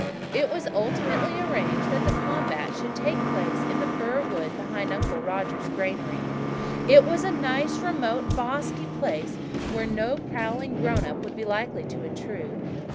It was ultimately arranged that the combat should take place in the fir wood behind Uncle Roger's granary. It was a nice, remote, bosky place where no prowling grown up would be likely to intrude.